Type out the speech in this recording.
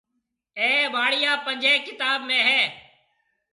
اَي ٻاݪيا پنجهيَ ڪتاب ۾ هيَ۔